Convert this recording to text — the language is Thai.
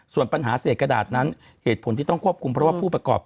ส่วนปัญหาเศษกระดาษนั้นเหตุผลที่ต้องควบคุมเพราะว่าผู้ประกอบ